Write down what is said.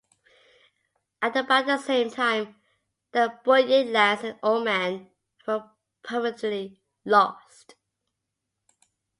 At about the same time, the Buyid lands in Oman were permanently lost.